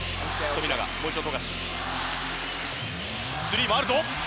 スリーもあるぞ！